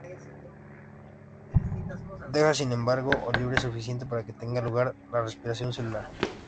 Deja, sin embargo, O libre suficiente para que tenga lugar la respiración celular.